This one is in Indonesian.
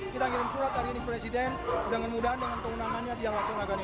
kita ngirim surat hari ini presiden dengan mudah dengan pengundangannya yang laksanakan ini